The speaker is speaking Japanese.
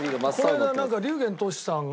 この間龍玄としさんが。